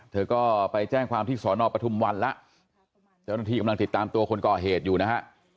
เธอก็ไปแจ้งความที่สอนอปทุมวันแล้วเจ้าหน้าที่กำลังติดตามตัวคนก่อเหตุอยู่นะฮะ